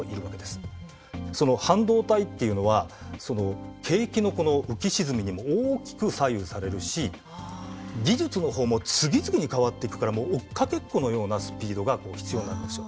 その半導体っていうのは景気の浮き沈みにも大きく左右されるし技術の方も次々に変わっていくから追っかけっこのようなスピードが必要なんですよ。